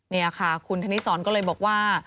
นี่ค่ะคุณธนิสรก็เลยบอกว่า